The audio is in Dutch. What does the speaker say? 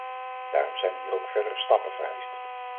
Daarom zijn ook hier verdere stappen vereist.